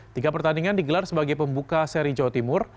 tiga pertandingan digelar sebagai pembuka seri jawa timur